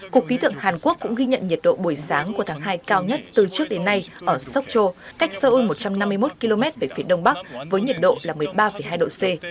cục khí tượng hàn quốc cũng ghi nhận nhiệt độ buổi sáng của tháng hai cao nhất từ trước đến nay ở sokcho cách seoul một trăm năm mươi một km về phía đông bắc với nhiệt độ là một mươi ba hai độ c